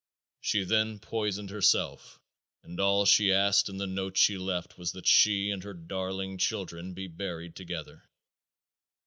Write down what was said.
She then poisoned herself and all she asked in the note she left was that she and her darling children be buried together.